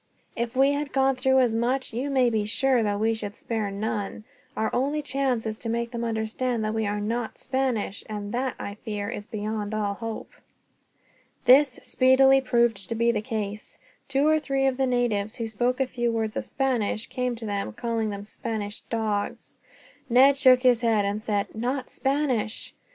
If we had gone through as much, you may be sure that we should spare none. Our only chance is to make them understand that we are not Spanish; and that, I fear, is beyond all hope." This speedily proved to be the case. Two or three of the natives who spoke a few words of Spanish came to them, calling them Spanish dogs. Ned shook his head and said, "Not Spanish."